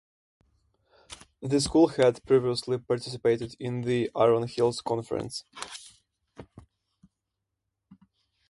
The school had previously participated in the Iron Hills Conference.